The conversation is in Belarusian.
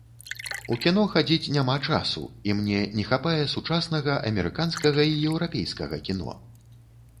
У кіно хадзіць няма часу, і мне не хапае сучаснага амерыканскага і еўрапейскага кіно.